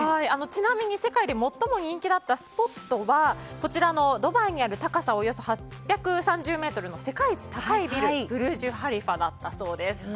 ちなみに世界で最も人気だったスポットはこちらのドバイにある高さおよそ８３０ｍの世界一高いビルブルジュ・ハリファだったそうです。